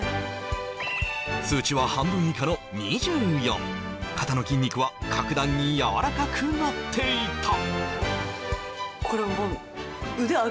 数値は半分以下の２４肩の筋肉は格段にやわらかくなっていた